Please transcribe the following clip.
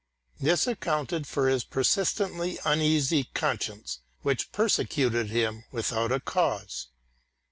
This accounted for his persistently uneasy conscience which persecuted him without a cause.